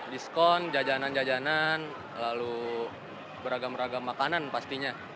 diskon jajanan jajanan lalu beragam ragam makanan pastinya